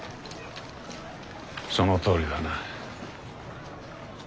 そのとおりだな。